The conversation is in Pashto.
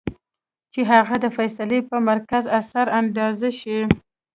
چې هغه د فېصلې پۀ مرکز اثر انداز شي -